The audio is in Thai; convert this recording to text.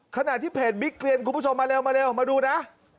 ขณะที่เพจบิ๊กเกลียนคุณผู้ชมมาเร็วมาดูนะ